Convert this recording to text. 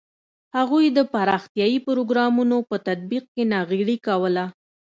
هغوی د پراختیايي پروګرامونو په تطبیق کې ناغېړي کوله.